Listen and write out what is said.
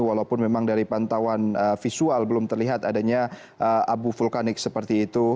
walaupun memang dari pantauan visual belum terlihat adanya abu vulkanik seperti itu